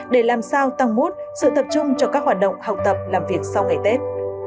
để làm sao tăng mút sự tập trung cho các hoạt động học tập làm việc sau ngày tết